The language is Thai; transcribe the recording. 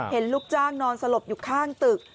ลูกจ้างนอนสลบอยู่ข้างตึก